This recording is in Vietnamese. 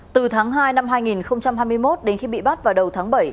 từ tháng hai năm hai nghìn hai mươi một đến khi bị bắt vào đầu tháng bảy